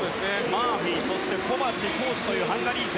マーフィーコバチ、コーシュというハンガリー勢。